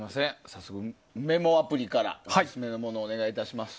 早速メモアプリからオススメのものをお願いします。